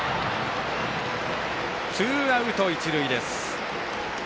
ツーアウト、一塁です。